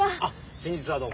先日はどうも。